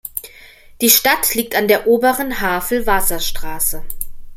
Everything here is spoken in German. Die Stadt liegt an der Oberen Havel-Wasserstraße.